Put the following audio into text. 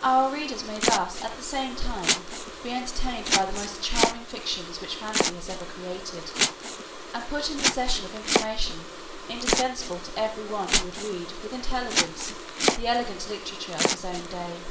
Our readers may thus at the same time be entertained by the most charming fictions which fancy has ever created, and put in possession of information indispensable to every one who would read with intelligence the elegant literature of his own day.